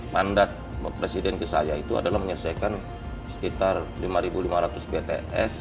mandat presiden ke saya itu adalah menyelesaikan sekitar lima lima ratus btns